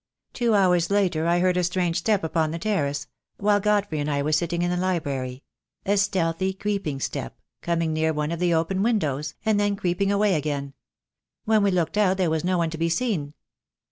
Two hours later I heard a strange step upon the terrace — while Godfrey and I were sitting in the library — a stealthy, creeping step, coming near one of the open windows, and then creeping away again. When we looked out there was no one to be seen."